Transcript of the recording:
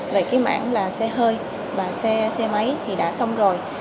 về cái mảng là xe hơi và xe máy thì đã xong rồi